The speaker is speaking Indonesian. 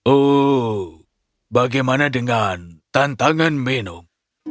oh bagaimana dengan tantangan minum